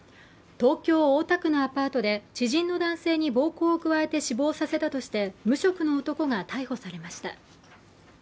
東京・大田区のアパートで知人の男性に暴行を加えて死亡させたとして無職の男が逮捕されました。